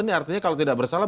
ini artinya kalau tidak bersalah